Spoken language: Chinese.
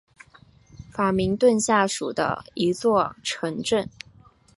法明顿下属的一座城镇。